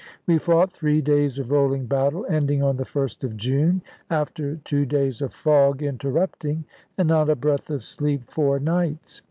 We fought three days of rolling battle, ending on the 1st of June, after two days of fog interrupting, and not a breath of sleep four nights.